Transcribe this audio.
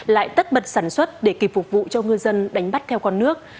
lại tất bật sản xuất để kịp phục vụ cho ngư dân đánh bắt theo con nước